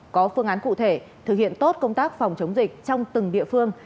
có phương án cụ thể thực hiện tốt công tác phòng chống dịch trong từng địa phương